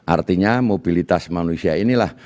artinya mobilitas manusia inilah